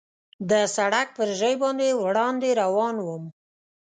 د سړک پر ژۍ باندې وړاندې روان ووم.